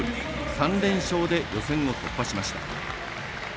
３連勝で予選を突破しました。